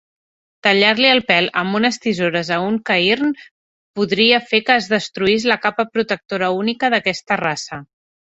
Tallar-li el pèl amb unes tisores a un Cairn podria fer que es destruís la capa protectora única d'aquesta raça.